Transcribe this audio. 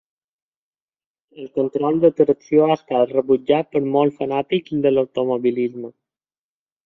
El control de tracció ha estat rebutjat per molts fanàtics de l'automobilisme.